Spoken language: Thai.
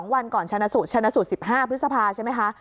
วันก่อนชนะสูตร๑๕พฤษภาใช่ไหมคะ